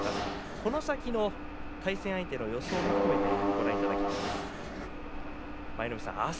この先の対戦相手の予想も含めてご覧いただきます。